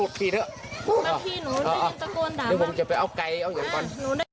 เดี๋ยวผมจะไปเอาไก่เอาอย่างก่อน